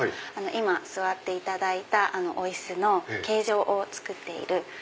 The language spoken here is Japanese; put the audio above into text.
今座っていただいたお椅子の形状を作っている。